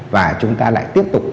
và chúng ta lại tiếp tục